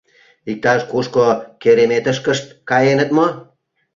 Иктаж-кушко кереметышкышт каеныт мо?..